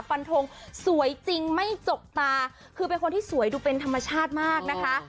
ฟันทงสวยจริงไม่จกตาคือเป็นคนที่สวยดูเป็นธรรมชาติมากนะคะ